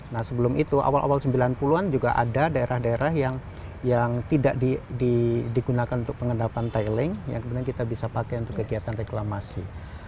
nah sebelum itu awal awal sembilan puluh an juga ada daerah daerah yang tidak digunakan untuk pengendapan tiling yang kemudian kita bisa pakai untuk kegiatan reklamasi